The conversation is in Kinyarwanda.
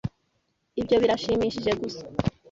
Ibyo birashimishije gusa.